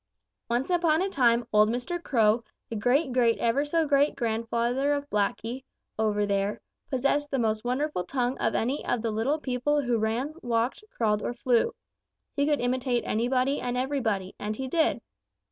"Once upon a time old Mr. Crow, the great great ever so great grandfather of Blacky, over there, possessed the most wonderful tongue of any of the little people who ran, walked, crawled, or flew. He could imitate any and everybody, and he did.